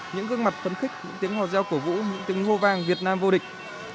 những gương mặt phấn khích những tiếng hò reo cổ vũ những tiếng hô vàng việt nam vô địch